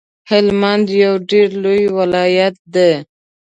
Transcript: هلمند یو ډیر لوی ولایت دی